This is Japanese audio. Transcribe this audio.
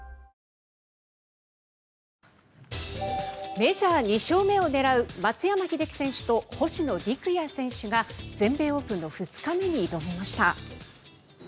メジャー２勝目を狙う松山英樹選手と星野陸也選手が全米オープンの２日目に挑みました。